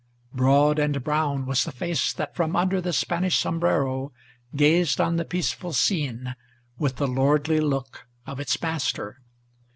Broad and brown was the face that from under the Spanish sombrero Gazed on the peaceful scene, with the lordly look of its master.